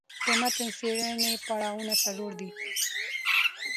د متن څېړني پړاوونه څلور دي.